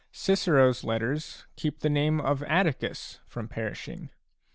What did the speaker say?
Cicero's letters keep the name of Atticus from perishing.